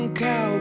aku tak tahu